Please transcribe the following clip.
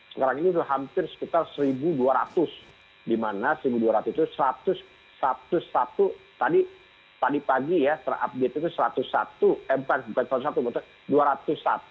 sekarang ini sudah hampir sekitar satu dua ratus di mana satu dua ratus itu satu ratus satu tadi pagi ya terupdate itu satu ratus satu eh bukan satu bukan dua ratus satu